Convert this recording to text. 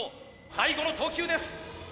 最後の投球です。